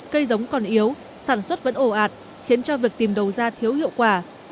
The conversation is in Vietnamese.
cây giống còn yếu sản xuất vẫn ổ ạt khiến cho việc tìm đầu ra thiếu hiệu quả